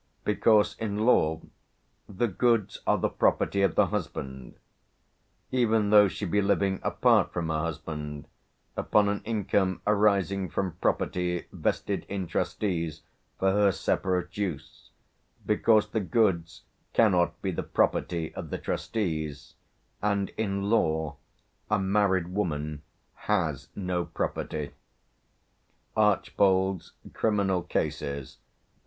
because in law the goods are the property of the husband; even though she be living apart from her husband upon an income arising from property vested in trustees for her separate use, because the goods cannot be the property of the trustees; and, in law, a married woman has no property" (Archbold's "Criminal Cases," p.